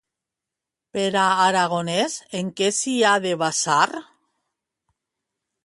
Per a Aragonès, en què s'hi ha de basar?